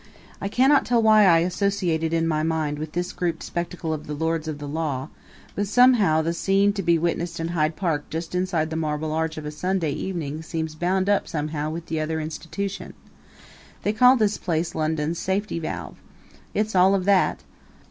I cannot tell why I associate it in my mind with this grouped spectacle of the lords of the law, but somehow the scene to be witnessed in Hyde Park just inside the Marble Arch of a Sunday evening seems bound up somehow with the other institution. They call this place London's safety valve. It's all of that.